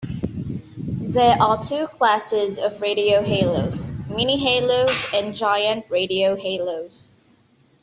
There are two classes of radio halos: mini-halos and giant radio halos.